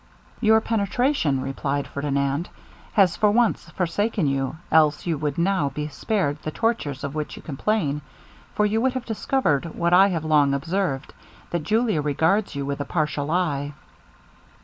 'Your penetration,' replied Ferdinand, 'has for once forsaken you, else you would now be spared the tortures of which you complain, for you would have discovered what I have long observed, that Julia regards you with a partial eye.'